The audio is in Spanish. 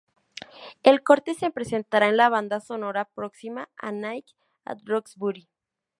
El corte se presentará en la banda sonora próxima a A Night at Roxbury".